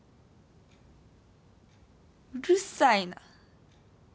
うるさいな！